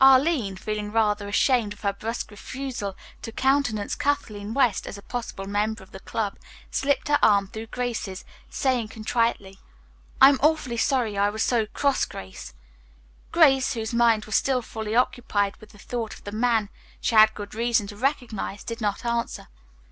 Arline, feeling rather ashamed of her brusque refusal to countenance Kathleen West as a possible member of the club, slipped her arm through Grace's, saying contritely, "I am awfully sorry I was so cross, Grace." Grace, whose mind was still fully occupied with the thought of the man she had good reason to recognize, did not answer.